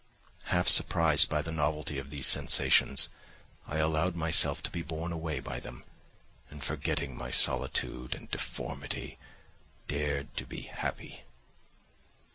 Half surprised by the novelty of these sensations, I allowed myself to be borne away by them, and forgetting my solitude and deformity, dared to be happy.